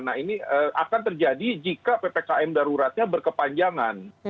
nah ini akan terjadi jika ppkm daruratnya berkepanjangan